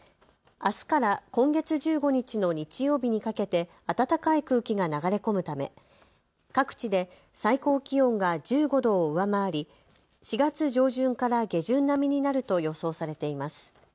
あすから今月１５日の日曜日にかけて暖かい空気が流れ込むため各地で最高気温が１５度を上回り４月上旬から下旬並みになると予想されています。